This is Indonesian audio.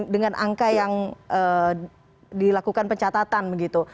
dengan angka yang dilakukan pencatatan begitu